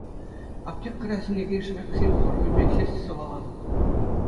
Аптекӑра сӗнекен шӗвексен пулӑшӑвӗпе ҫеҫ сывалатӑп.